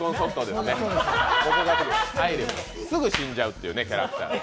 すぐ死んじゃうというキャラクター。